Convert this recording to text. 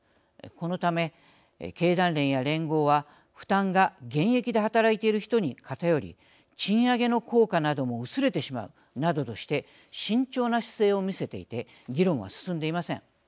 このため経団連や連合は負担が現役で働いている人に偏り賃上げの効果なども薄れてしまうなどとして慎重な姿勢を見せていて議論は進んでいません。